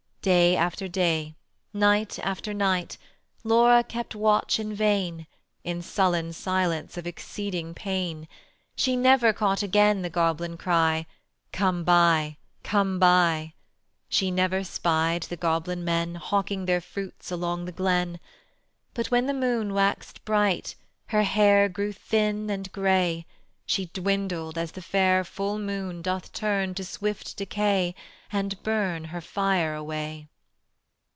Day after day, night after night, Laura kept watch in vain, In sullen silence of exceeding pain. She never caught again the goblin cry: "Come buy, come buy"; She never spied the goblin men Hawking their fruits along the glen: But when the noon waxed bright Her hair grew thin and gray; She dwindled, as the fair full moon doth turn To swift decay, and burn Her fire away.